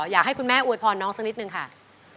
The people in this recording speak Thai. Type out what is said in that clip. อยากให้คุณแม่อวยพรน้องสักนิดนึงค่ะ